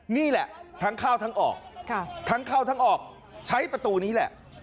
นี่แหละทั้งเข้าทั้งออกทั้งเข้าทั้งออกใช้ประตูนี้แหละ